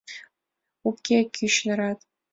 Уке кӱч нарат.